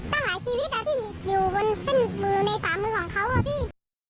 ปัญหาชีวิตอะพี่อยู่บนเส้นมือในขามือของเขาอะพี่